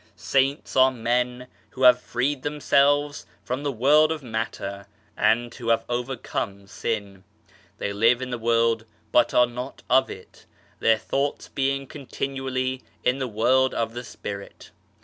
Saints are men who have freed themselves from the world of matter and who have overcome sin. They live in the world but are not of it, their thoughts being continually in the world of the Spirit.